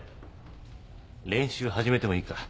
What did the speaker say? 練習始めてもいいか？